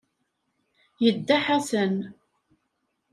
Yedda Ḥasan.